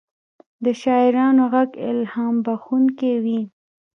د شاعرانو ږغ الهام بښونکی وي.